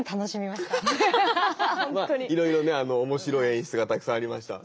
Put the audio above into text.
まあいろいろね面白い演出がたくさんありました。